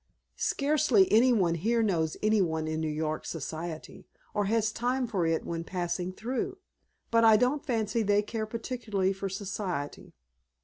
Scarcely any one here knows any one in New York Society; or has time for it when passing through.... But I don't fancy they care particularly for Society.